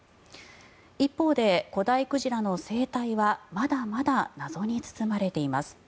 一方で古代鯨の生態はまだまだ謎に包まれています。